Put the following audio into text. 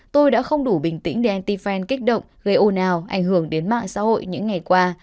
tôi đã không đủ bình tĩnh để anti fan kích động gây ô nào ảnh hưởng đến mạng xã hội những ngày qua